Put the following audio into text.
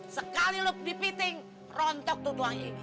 sekali lo dipiting rontok tuh doang ini